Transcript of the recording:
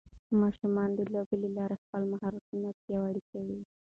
ماشومان د لوبو له لارې خپل مهارتونه پیاوړي کوي.